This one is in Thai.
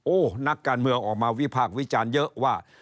โอ้โหนักการเมืองออกมาวิพากษ์วิจารณ์เยอะว่า